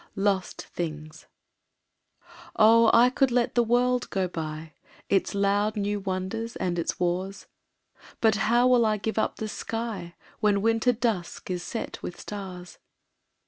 Lost Things Oh, I could let the world go by, Its loud new wonders and its wars, But how will I give up the sky When winter dusk is set with stars?